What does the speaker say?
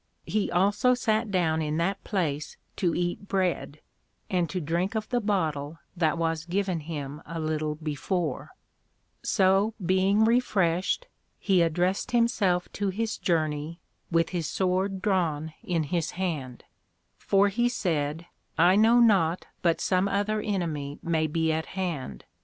He also sat down in that place to eat Bread, and to drink of the Bottle that was given him a little before; so being refreshed, he addressed himself to his Journey, with his Sword drawn in his hand; for he said, I know not but some other Enemy may be at hand.